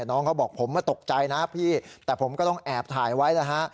น้องเขาบอกผมตกใจนะพี่แต่ผมก็ต้องแอบถ่ายไว้แล้วฮะ